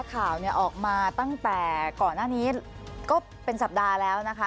ข่าวออกมาตั้งแต่ก่อนหน้านี้ก็เป็นสัปดาห์แล้วนะคะ